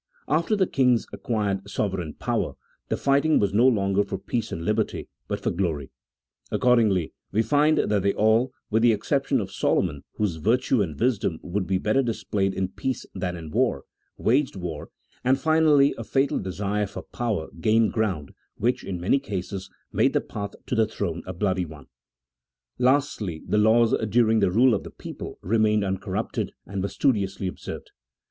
After the kings acquired sovereign power, the fighting was no longer for peace and liberty, but for glory ; accordingly we find that they all, with the exception of Solomon (whose virtue and wisdom would be better displayed in peace than in war) waged war, and finally a fatal desire for power gained ground, which, in many cases, made the path to the throne a bloody one. Lastly, the laws, during the rule of the people, remained CHAP. XVIII.] OF CERTAIN POLITICAL DOCTRINES. 241 uncorrupted and were studiously observed.